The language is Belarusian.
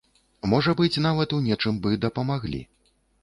Можа быць, нават у нечым бы дапамаглі.